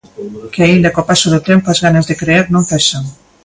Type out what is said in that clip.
Que, aínda co paso do tempo, as ganas de crear non cesan.